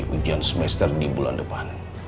ujian semester di bulan depan